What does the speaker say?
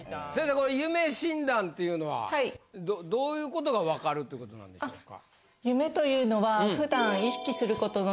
この夢診断っていうのはどういう事が分かるってことなんでしょうか？